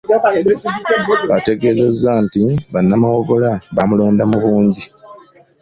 Ategeezezza nti bannamawogola baamulonda mu bungi.